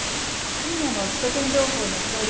今夜の首都圏情報ネタドリ！